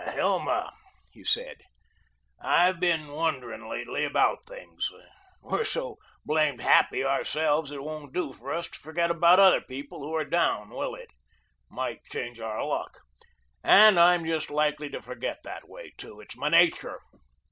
"Hilma," he said, "I've been wondering lately about things. We're so blamed happy ourselves it won't do for us to forget about other people who are down, will it? Might change our luck. And I'm just likely to forget that way, too. It's my nature."